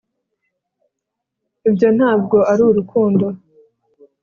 ibyo ntabwo ari urukundo